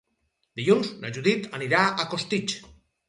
Dilluns na Judit anirà a Costitx.